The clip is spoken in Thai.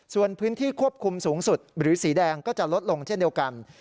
ส่วนพื้นที่ควบคุมสูงสุดหรือสีแดงก็จะลดลงเช่นเดียวกัน